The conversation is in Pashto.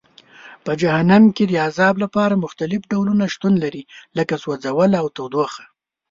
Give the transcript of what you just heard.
په جهنم کې د عذاب لپاره مختلف ډولونه شتون لري لکه سوځول او تودوخه.